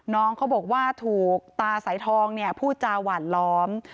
น้องเขาบอกว่าถูกตาสายทองเนี่ยพูดจาหวานล้อม